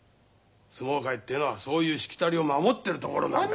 相撲界っていうのはそういうしきたりを守ってるところなんだ。